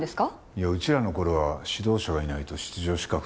いやうちらの頃は指導者がいないと出場資格。